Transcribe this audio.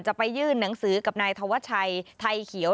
ไปยื่นหนังสือกับนายธวัชชัยไทยเขียว